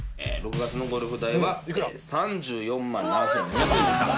６月のゴルフ代は３４万７，２００円でした。